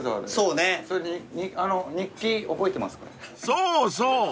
［そうそう！